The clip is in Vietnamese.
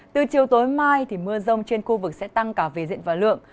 từ chiều tối mai mưa rông trên khu vực sẽ tăng cả về diện và lượng